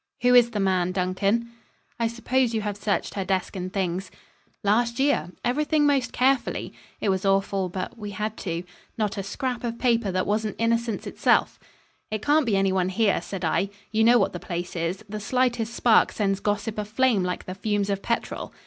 "Who is the man, Duncan?" "I suppose you have searched her desk and things?" "Last year. Everything most carefully. It was awful but we had to. Not a scrap of paper that wasn't innocence itself." "It can't be anyone here," said I. "You know what the place is. The slightest spark sends gossip aflame like the fumes of petrol."